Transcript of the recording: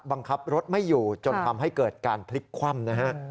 บังคับรถไม่อยู่จนทำให้เกิดการพลิกคว่ำนะฮะ